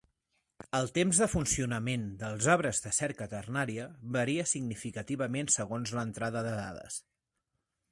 El temps de funcionament dels arbres de cerca ternària varia significativament segons l'entrada de dades.